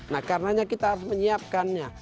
nah karenanya kita harus menyiapkannya